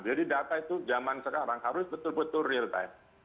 jadi data itu zaman sekarang harus betul betul real time